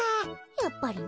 やっぱりね。